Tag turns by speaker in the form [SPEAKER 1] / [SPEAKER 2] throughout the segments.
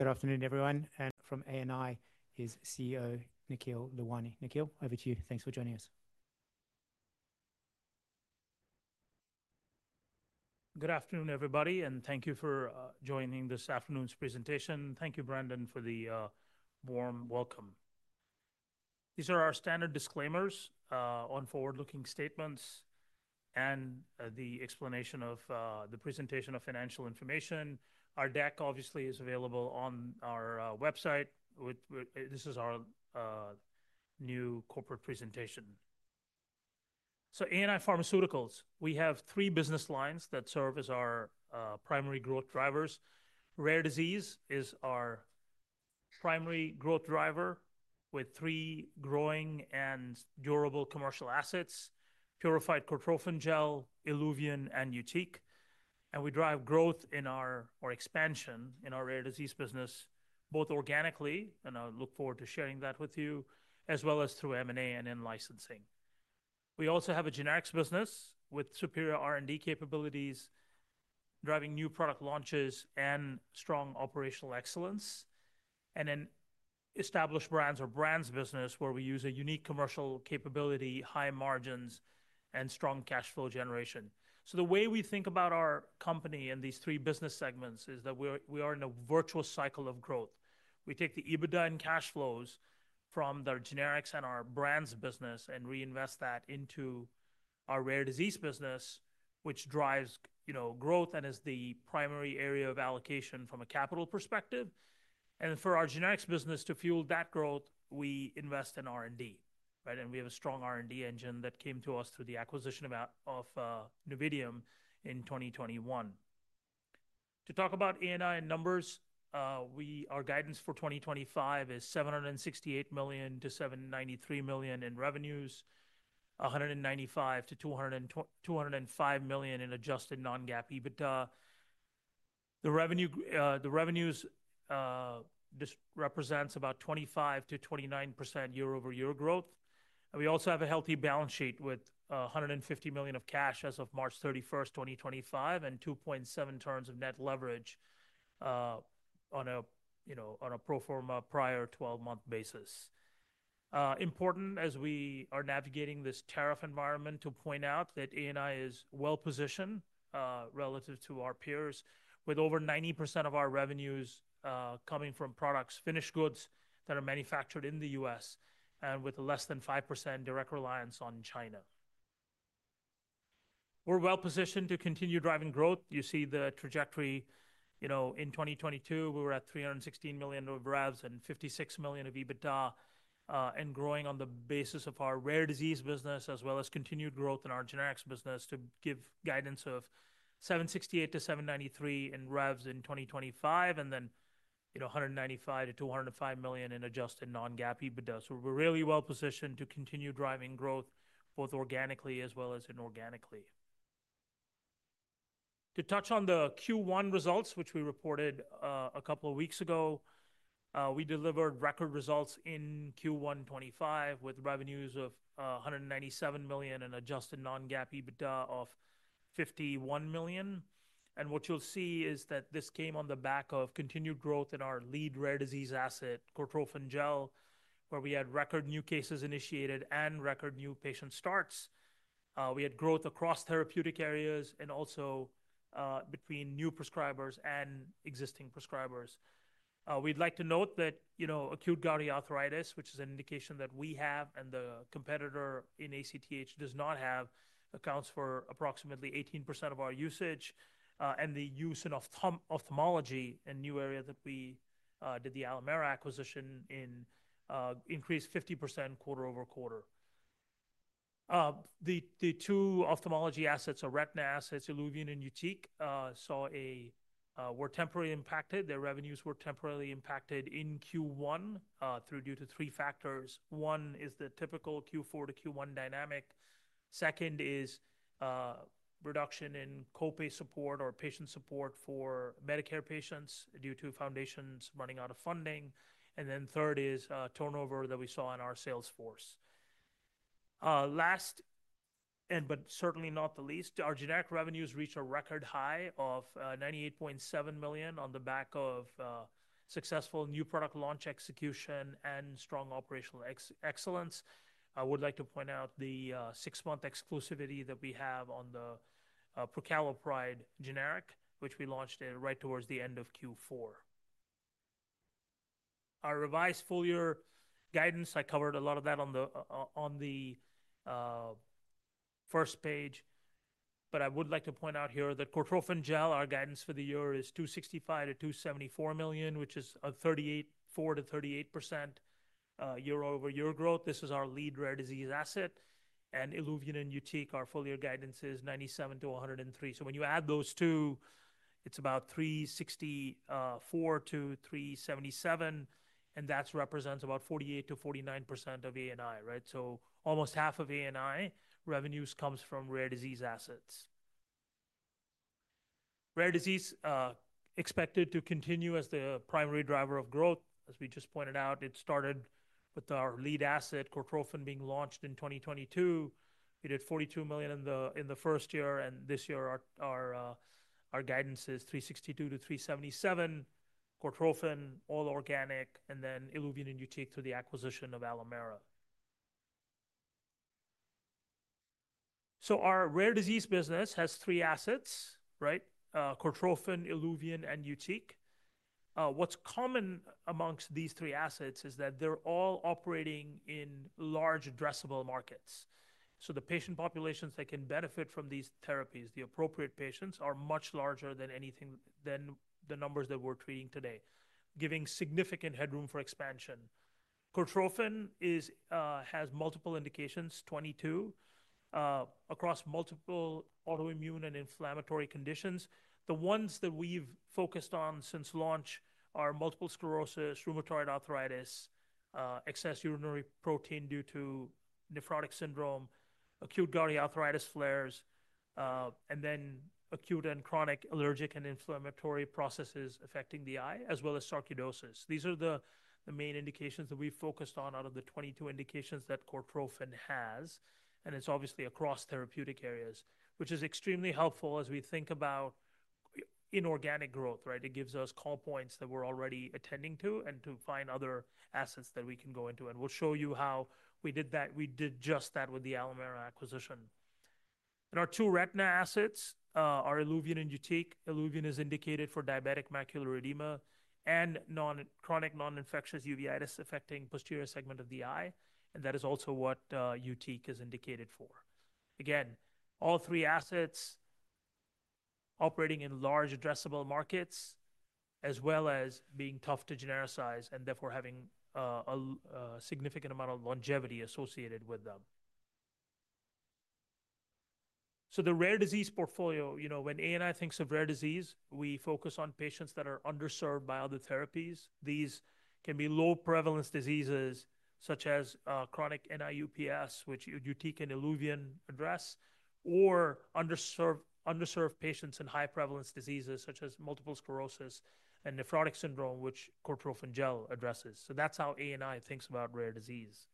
[SPEAKER 1] Good afternoon, everyone. From ANI is CEO Nikhil Lalwani. Nikhil, over to you. Thanks for joining us.
[SPEAKER 2] Good afternoon, everybody, and thank you for joining this afternoon's presentation. Thank you, Brandon, for the warm welcome. These are our standard disclaimers on forward-looking statements and the explanation of the presentation of financial information. Our deck, obviously, is available on our website. This is our new corporate presentation. So ANI Pharmaceuticals, we have three business lines that serve as our primary growth drivers. Rare disease is our primary growth driver with three growing and durable commercial assets: Purified Cortrophin Gel, ILUVIEN, and YUTIQ. And we drive growth in our expansion in our rare disease business, both organically, and I look forward to sharing that with you, as well as through M&A and in-licensing. We also have a generics business with superior R&D capabilities, driving new product launches and strong operational excellence, and an established brands or brands business where we use a unique commercial capability, high margins, and strong cash flow generation. The way we think about our company and these three business segments is that we are in a virtuous cycle of growth. We take the EBITDA and cash flows from the generics and our brands business and reinvest that into our rare disease business, which drives growth and is the primary area of allocation from a capital perspective. For our generics business to fuel that growth, we invest in R&D, right? We have a strong R&D engine that came to us through the acquisition of Novitium in 2021. To talk about ANI and numbers, our guidance for 2025 is $768 million-$793 million in revenues, $195 million-$205 million in adjusted non-GAAP EBITDA. The revenues represent about 25%-29% year-over-year growth. We also have a healthy balance sheet with $150 million of cash as of March 31st, 2025, and 2.7x of net leverage on a pro forma prior 12-month basis. Important, as we are navigating this tariff environment, to point out that ANI is well-positioned relative to our peers, with over 90% of our revenues coming from products, finished goods that are manufactured in the U.S., and with less than 5% direct reliance on China. We're well-positioned to continue driving growth. You see the trajectory. In 2022, we were at $316 million of revs and $56 million of EBITDA, and growing on the basis of our rare disease business, as well as continued growth in our generics business to give guidance of $768 million-$793 million in revs in 2025, and then $195 million-$205 million in adjusted non-GAAP EBITDA. We are really well-positioned to continue driving growth both organically as well as inorganically. To touch on the Q1 results, which we reported a couple of weeks ago, we delivered record results in Q1 2025 with revenues of $197 million and adjusted non-GAAP EBITDA of $51 million. What you'll see is that this came on the back of continued growth in our lead rare disease asset, Purified Cortrophin Gel, where we had record new cases initiated and record new patient starts. We had growth across therapeutic areas and also between new prescribers and existing prescribers. We'd like to note that acute gouty arthritis, which is an indication that we have and the competitor in ACTH does not have, accounts for approximately 18% of our usage, and the use in ophthalmology and new area that we did the Alimera acquisition in increased 50% quarter over quarter. The two ophthalmology assets, or retina assets, ILUVIEN and YUTIQ, were temporarily impacted. Their revenues were temporarily impacted in Q1 due to three factors. One is the typical Q4 to Q1 dynamic. Second is reduction in copay support or patient support for Medicare patients due to foundations running out of funding. Third is turnover that we saw in our sales force. Last, but certainly not the least, our generic revenues reached a record high of $98.7 million on the back of successful new product launch execution and strong operational excellence. I would like to point out the six-month exclusivity that we have on the Prolensa generic, which we launched right towards the end of Q4. Our revised full-year guidance, I covered a lot of that on the first page, but I would like to point out here that Purified Cortrophin Gel, our guidance for the year is $265 million-$274 million, which is a 34%-38% year-over-year growth. This is our lead rare disease asset. ILUVIEN and YUTIQ, our full-year guidance is $97 million-$103 million. When you add those two, it is about $364 million-$377 million, and that represents about 48%-49% of ANI, right? Almost half of ANI revenues comes from rare disease assets. Rare disease is expected to continue as the primary driver of growth. As we just pointed out, it started with our lead asset, Cortrophin, being launched in 2022. We did $42 million in the first year, and this year our guidance is $362 million-$377 million, Cortrophin, all organic, and then ILUVIEN and YUTIQ through the acquisition of Alimera. Our rare disease business has three assets, right? Cortrophin, ILUVIEN, and YUTIQ. What's common amongst these three assets is that they're all operating in large addressable markets. The patient populations that can benefit from these therapies, the appropriate patients, are much larger than the numbers that we're treating today, giving significant headroom for expansion. Cortrophin has multiple indications, 22, across multiple autoimmune and inflammatory conditions. The ones that we've focused on since launch are multiple sclerosis, rheumatoid arthritis, excess urinary protein due to nephrotic syndrome, acute gouty arthritis flares, and acute and chronic allergic and inflammatory processes affecting the eye, as well as sarcoidosis. These are the main indications that we've focused on out of the 22 indications that Cortrophin has, and it's obviously across therapeutic areas, which is extremely helpful as we think about inorganic growth, right? It gives us call points that we're already attending to and to find other assets that we can go into. We'll show you how we did that. We did just that with the Alimera acquisition. Our two retina assets are ILUVIEN and YUTIQ. ILUVIEN is indicated for diabetic macular edema and chronic non-infectious uveitis affecting the posterior segment of the eye, and that is also what YUTIQ is indicated for. Again, all three assets operating in large addressable markets, as well as being tough to genericize and therefore having a significant amount of longevity associated with them. The rare disease portfolio, when ANI thinks of rare disease, we focus on patients that are underserved by other therapies. These can be low prevalence diseases such as chronic uveitis, which YUTIQ and ILUVIEN address, or underserved patients in high prevalence diseases such as multiple sclerosis and nephrotic syndrome, which Purified Cortrophin Gel addresses. That is how ANI thinks about rare disease.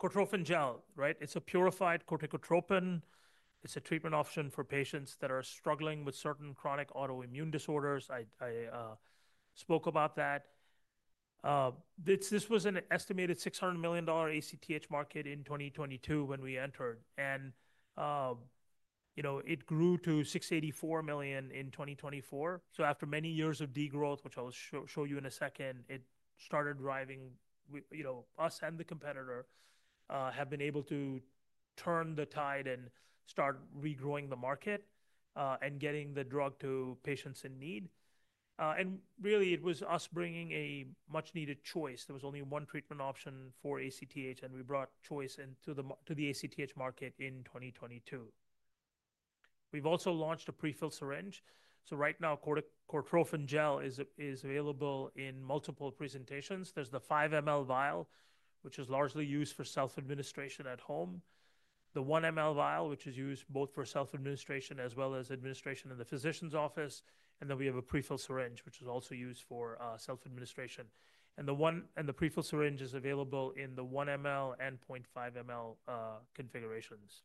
[SPEAKER 2] Purified Cortrophin Gel, right? It is a purified corticotropin. It is a treatment option for patients that are struggling with certain chronic autoimmune disorders. I spoke about that. This was an estimated $600 million ACTH market in 2022 when we entered, and it grew to $684 million in 2024. After many years of degrowth, which I will show you in a second, it started. We and the competitor have been able to turn the tide and start regrowing the market and getting the drug to patients in need. It was us bringing a much-needed choice. There was only one treatment option for ACTH, and we brought choice into the ACTH market in 2022. We've also launched a prefilled syringe. Right now, Cortrophin Gel is available in multiple presentations. There is the 5 ml vial, which is largely used for self-administration at home, the 1 ml vial, which is used both for self-administration as well as administration in the physician's office, and then we have a prefilled syringe, which is also used for self-administration. The prefilled syringe is available in the 1 ml and 0.5 ml configurations.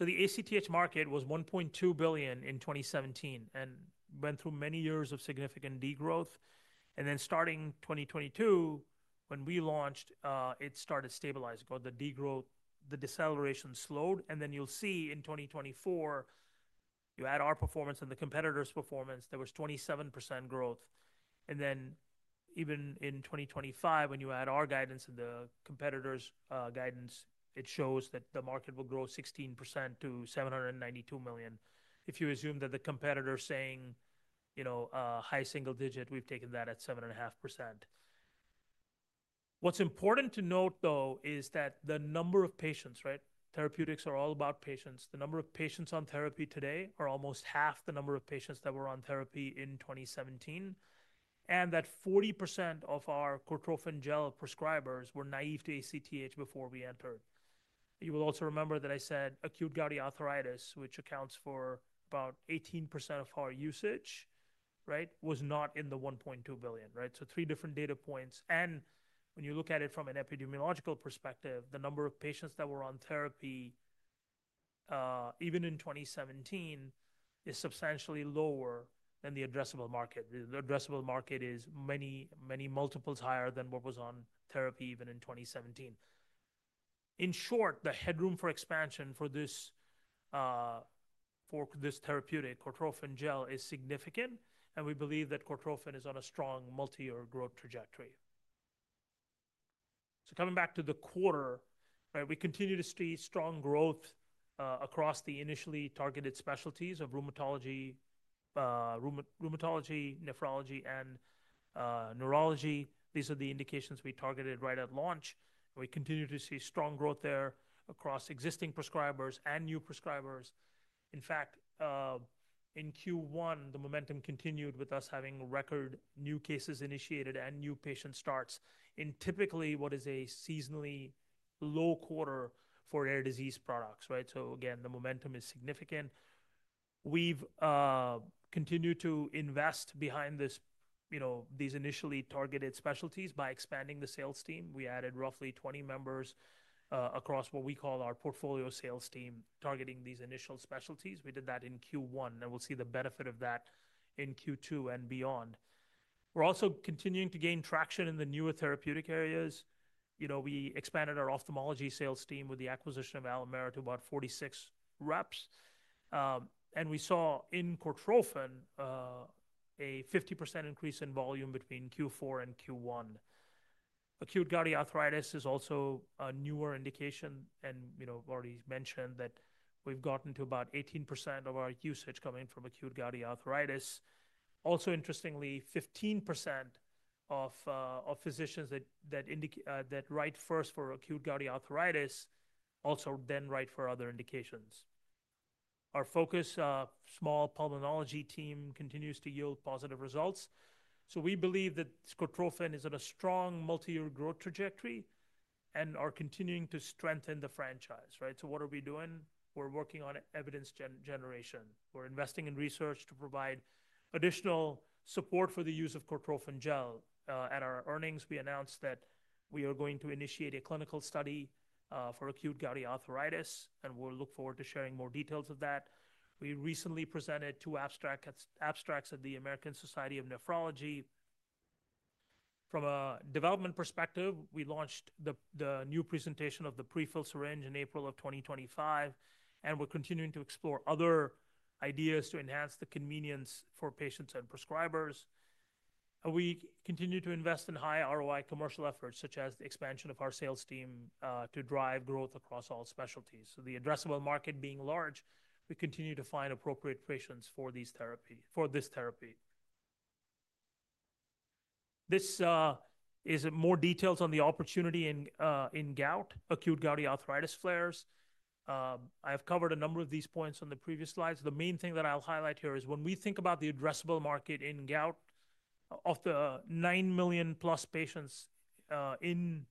[SPEAKER 2] The ACTH market was $1.2 billion in 2017 and went through many years of significant degrowth. Starting in 2022, when we launched, it started stabilizing. The deceleration slowed, and in 2024, you add our performance and the competitor's performance, there was 27% growth. Even in 2025, when you add our guidance and the competitor's guidance, it shows that the market will grow 16% to $792 million. If you assume that the competitor is saying high single digit, we've taken that at 7.5%. What's important to note, though, is that the number of patients, right? Therapeutics are all about patients. The number of patients on therapy today are almost half the number of patients that were on therapy in 2017, and that 40% of our Cortrophin Gel prescribers were naive to ACTH before we entered. You will also remember that I said acute gouty arthritis, which accounts for about 18% of our usage, right, was not in the $1.2 billion, right? Three different data points. When you look at it from an epidemiological perspective, the number of patients that were on therapy, even in 2017, is substantially lower than the addressable market. The addressable market is many multiples higher than what was on therapy even in 2017. In short, the headroom for expansion for this therapeutic, Cortrophin Gel, is significant, and we believe that Cortrophin is on a strong multi-year growth trajectory. Coming back to the quarter, right, we continue to see strong growth across the initially targeted specialties of rheumatology, nephrology, and neurology. These are the indications we targeted right at launch. We continue to see strong growth there across existing prescribers and new prescribers. In fact, in Q1, the momentum continued with us having record new cases initiated and new patient starts in typically what is a seasonally low quarter for rare disease products, right? Again, the momentum is significant. We've continued to invest behind these initially targeted specialties by expanding the sales team. We added roughly 20 members across what we call our portfolio sales team targeting these initial specialties. We did that in Q1, and we'll see the benefit of that in Q2 and beyond. We're also continuing to gain traction in the newer therapeutic areas. We expanded our ophthalmology sales team with the acquisition of Alimera to about 46 reps. And we saw in Cortrophin a 50% increase in volume between Q4 and Q1. Acute gouty arthritis is also a newer indication, and we've already mentioned that we've gotten to about 18% of our usage coming from acute gouty arthritis. Also, interestingly, 15% of physicians that write first for acute gouty arthritis also then write for other indications. Our focus, small pulmonology team, continues to yield positive results. We believe that Cortrophin is on a strong multi-year growth trajectory and are continuing to strengthen the franchise, right? What are we doing? We're working on evidence generation. We're investing in research to provide additional support for the use of Cortrophin Gel. At our earnings, we announced that we are going to initiate a clinical study for acute gouty arthritis, and we'll look forward to sharing more details of that. We recently presented two abstracts at the American Society of Nephrology. From a development perspective, we launched the new presentation of the prefilled syringe in April of 2025, and we're continuing to explore other ideas to enhance the convenience for patients and prescribers. We continue to invest in high ROI commercial efforts, such as the expansion of our sales team to drive growth across all specialties. The addressable market being large, we continue to find appropriate patients for this therapy. This is more details on the opportunity in gout, acute gouty arthritis flares. I have covered a number of these points on the previous slides. The main thing that I'll highlight here is when we think about the addressable market in gout, of the 9 million plus patients in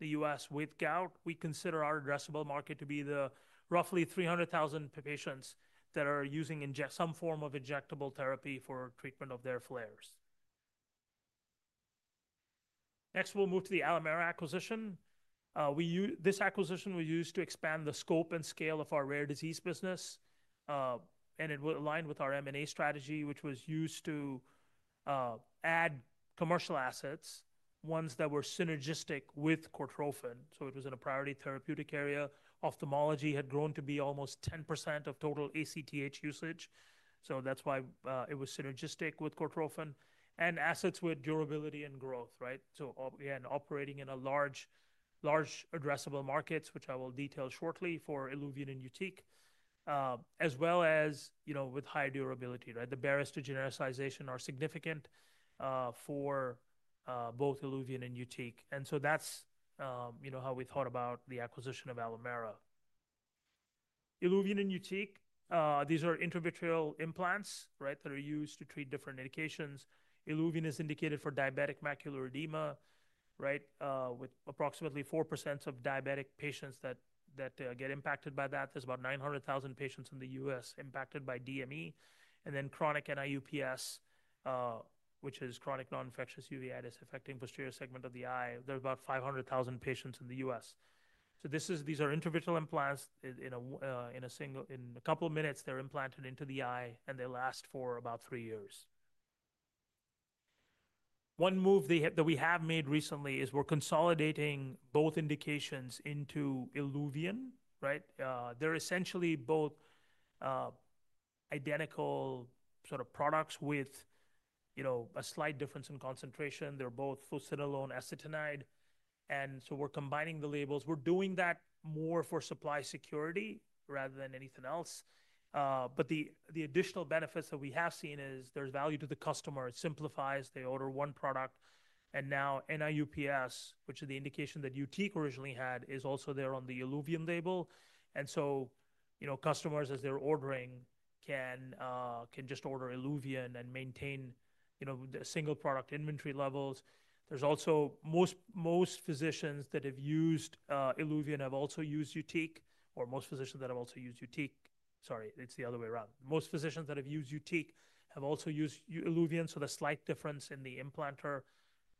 [SPEAKER 2] the U.S. with gout, we consider our addressable market to be the roughly 300,000 patients that are using some form of injectable therapy for treatment of their flares. Next, we'll move to the Alimera acquisition. This acquisition was used to expand the scope and scale of our rare disease business, and it would align with our M&A strategy, which was used to add commercial assets, ones that were synergistic with Cortrophin. It was in a priority therapeutic area. Ophthalmology had grown to be almost 10% of total ACTH usage. That is why it was synergistic with Cortrophin and assets with durability and growth, right? Again, operating in large addressable markets, which I will detail shortly for ILUVIEN and YUTIQ, as well as with high durability, right? The barriers to genericization are significant for both ILUVIEN and YUTIQ. That is how we thought about the acquisition of Alimera. ILUVIEN and YUTIQ, these are intravitreal implants, right, that are used to treat different indications. ILUVIEN is indicated for diabetic macular edema, right? With approximately 4% of diabetic patients that get impacted by that, there are about 900,000 patients in the US impacted by DME. Chronic NIU, which is chronic non-infectious uveitis affecting the posterior segment of the eye, there are about 500,000 patients in the US. These are intravitreal implants. In a couple of minutes, they're implanted into the eye, and they last for about three years. One move that we have made recently is we're consolidating both indications into ILUVIEN, right? They're essentially both identical sort of products with a slight difference in concentration. They're both fluocinolone acetonide. We're combining the labels. We're doing that more for supply security rather than anything else. The additional benefits that we have seen is there's value to the customer. It simplifies. They order one product. Now NIU-PS, which is the indication that YUTIQ originally had, is also there on the ILUVIEN label. Customers, as they're ordering, can just order ILUVIEN and maintain single product inventory levels. Most physicians that have used ILUVIEN have also used YUTIQ, or most physicians that have also used YUTIQ. Sorry, it's the other way around. Most physicians that have used YUTIQ have also used ILUVIEN. The slight difference in the implanter,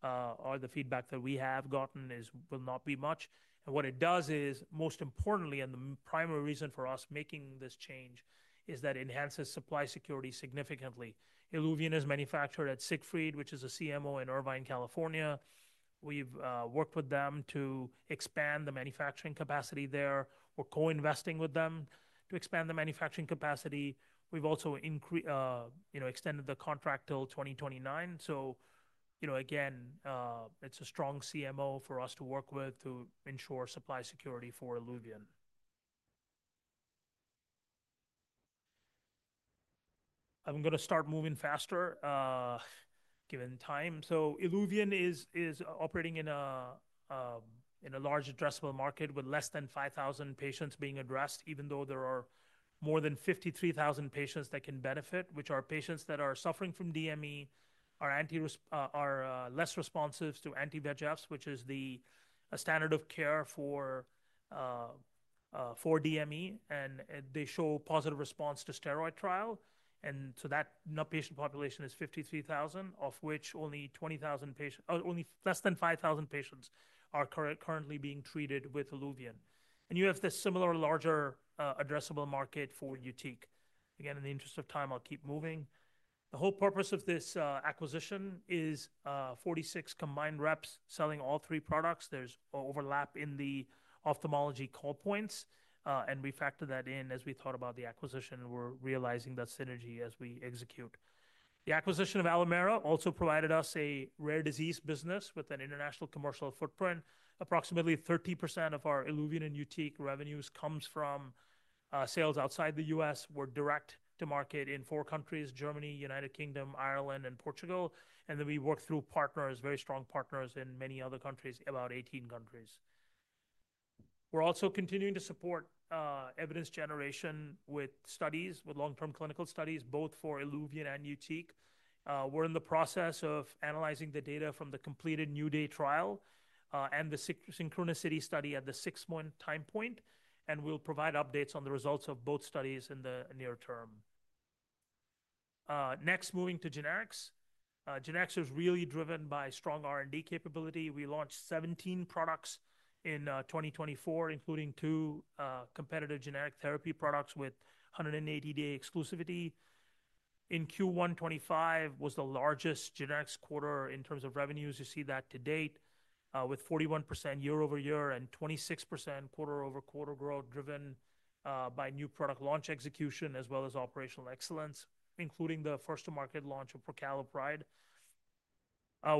[SPEAKER 2] or the feedback that we have gotten, will not be much. What it does is, most importantly, and the primary reason for us making this change is that it enhances supply security significantly. ILUVIEN is manufactured at Siegfried, which is a CMO in Irvine, California. We've worked with them to expand the manufacturing capacity there. We're co-investing with them to expand the manufacturing capacity. We've also extended the contract till 2029. Again, it's a strong CMO for us to work with to ensure supply security for ILUVIEN. I'm going to start moving faster given time. ILUVIEN is operating in a large addressable market with less than 5,000 patients being addressed, even though there are more than 53,000 patients that can benefit, which are patients that are suffering from DME, are less responsive to anti-VEGFs, which is the standard of care for DME, and they show positive response to steroid trial. That patient population is 53,000, of which only less than 5,000 patients are currently being treated with ILUVIEN. You have this similar larger addressable market for YUTIQ. Again, in the interest of time, I'll keep moving. The whole purpose of this acquisition is 46 combined reps selling all three products. There's overlap in the ophthalmology call points, and we factor that in as we thought about the acquisition. We're realizing that synergy as we execute. The acquisition of Alimera also provided us a rare disease business with an international commercial footprint. Approximately 30% of our ILUVIEN and YUTIQ revenues comes from sales outside the U.S. We're direct to market in four countries: Germany, United Kingdom, Ireland, and Portugal. We work through partners, very strong partners in many other countries, about 18 countries. We're also continuing to support evidence generation with studies, with long-term clinical studies, both for ILUVIEN and YUTIQ. We're in the process of analyzing the data from the completed New Day trial and the Synchronicity study at the six-month time point, and we'll provide updates on the results of both studies in the near term. Next, moving to generics. Generics is really driven by strong R&D capability. We launched 17 products in 2024, including two competitive generic therapy products with 180-day exclusivity. In Q1 2025 was the largest generics quarter in terms of revenues. You see that to date with 41% year-over-year and 26% quarter-over-quarter growth driven by new product launch execution as well as operational excellence, including the first-to-market launch of Prolensa.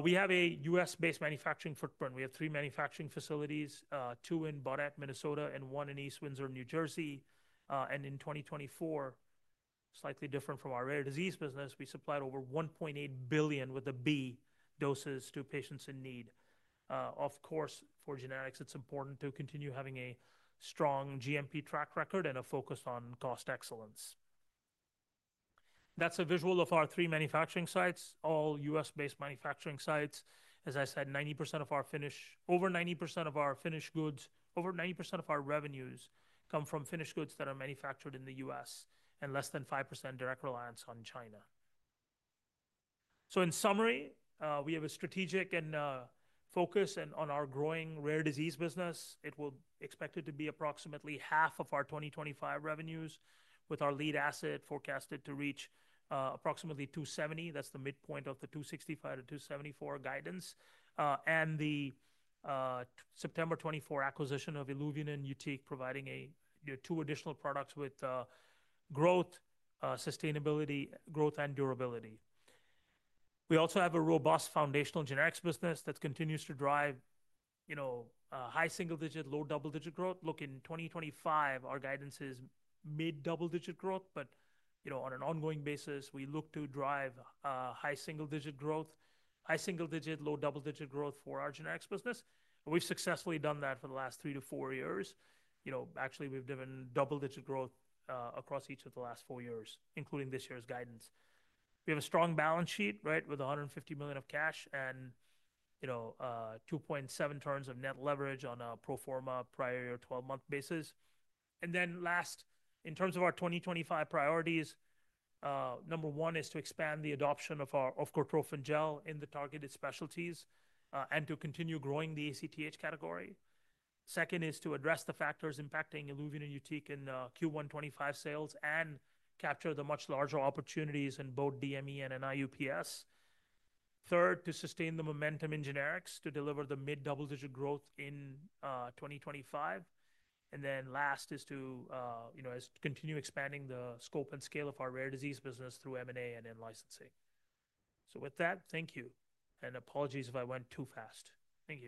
[SPEAKER 2] We have a US-based manufacturing footprint. We have three manufacturing facilities, two in Baudette, Minnesota, and one in East Windsor, New Jersey. In 2024, slightly different from our rare disease business, we supplied over 1.8 billion with a B doses to patients in need. Of course, for generics, it's important to continue having a strong GMP track record and a focus on cost excellence. That's a visual of our three manufacturing sites, all US-based manufacturing sites. As I said, 90% of our finished, over 90% of our finished goods, over 90% of our revenues come from finished goods that are manufactured in the US and less than 5% direct reliance on China. In summary, we have a strategic focus on our growing rare disease business. It will be expected to be approximately half of our 2025 revenues, with our lead asset forecasted to reach approximately $270 million. That is the midpoint of the $265 million-$274 million guidance and the September 2024 acquisition of ILUVIEN and YUTIQ, providing two additional products with growth, sustainability, and durability. We also have a robust foundational generics business that continues to drive high single-digit, low double-digit growth. Look, in 2025, our guidance is mid-double-digit growth, but on an ongoing basis, we look to drive high single-digit growth, high single-digit, low double-digit growth for our generics business. We have successfully done that for the last three to four years. Actually, we have driven double-digit growth across each of the last four years, including this year's guidance. We have a strong balance sheet, right, with $150 million of cash and 2.7 turns of net leverage on a pro forma prior year 12-month basis. Last, in terms of our 2025 priorities, number one is to expand the adoption of Cortrophin Gel in the targeted specialties and to continue growing the ACTH category. Second is to address the factors impacting ILUVIEN and YUTIQ in Q1 2025 sales and capture the much larger opportunities in both DME and NIUPS. Third, to sustain the momentum in generics to deliver the mid-double-digit growth in 2025. Last is to continue expanding the scope and scale of our rare disease business through M&A and in licensing. With that, thank you. Apologies if I went too fast. Thank you.